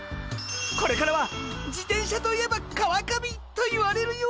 これからは自転車といえば川上と言われるようになるんだ！